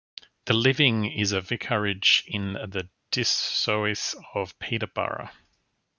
The living is a vicarage in the diocese of Peterborough.